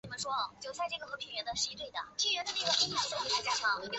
食蟹獴包括以下亚种